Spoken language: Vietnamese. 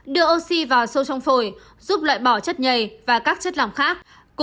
đưa oxy vào sâu trong phổi giúp loại bỏ chất nhầy và các chất làm khác